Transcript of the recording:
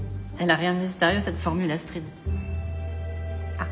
あっ。